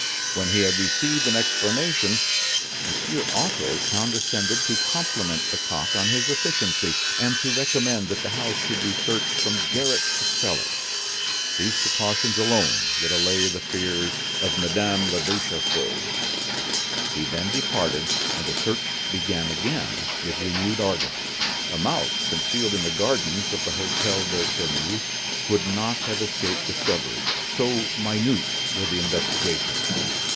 When he had received an explanation, M. Otto condescended to compliment Lecoq on his efficiency, and to recommend that the house should be searched from garret to cellar. These precautions alone would allay the fears of Madame la Duchesse. He then departed, and the search began again with renewed ardor. A mouse concealed in the gardens of the Hotel de Sairmeuse could not have escaped discovery, so minute were the investigations.